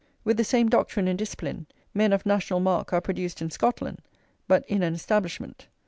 With the same doctrine and discipline, men of national mark are produced in Scotland; but in an Establishment.